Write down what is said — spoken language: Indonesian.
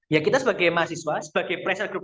ya kita sebagai mahasiswa sebagai pressure grou